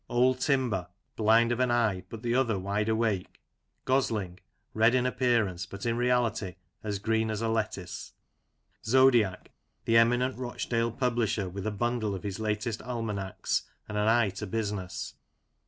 Old Timber (blind of an eye, but the other wide awake). Gosling (red in appearance, but in reality as green as a lettuce). Zodiac (the eminent Rochdale publisher, with a bundle of his latest almanacs, and an eye to business).